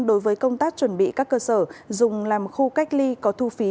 đối với công tác chuẩn bị các cơ sở dùng làm khu cách ly có thu phí